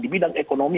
di bidang ekonomi